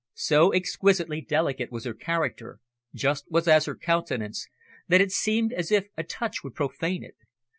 So exquisitely delicate was her character, just as was her countenance, that it seemed as if a touch would profane it.